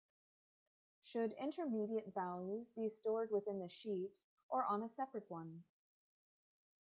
Should intermediate values be stored within the sheet, or on a separate one?